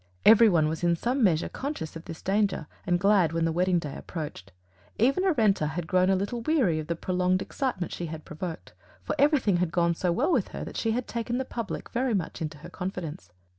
Every one was in some measure conscious of this danger and glad when the wedding day approached. Even Arenta had grown a little weary of the prolonged excitement she had provoked, for everything had gone so well with her that she had taken the public very much into her confidence.